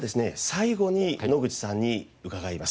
最後に野口さんに伺います。